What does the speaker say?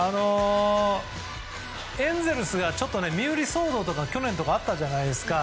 エンゼルスがちょっと身売り騒動とか去年とかあったじゃないですか。